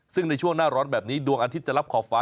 ซึ่งในช่วงหน้าร้อนแบบนี้ดวงอาทิตย์จะรับขอบฟ้า